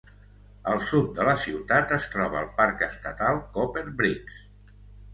Al sud de la ciutat es troba el parc estatal Copper Breaks.